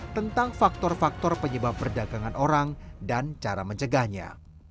tentang faktor faktor penyebab perdagangan orang dan cara mencegahnya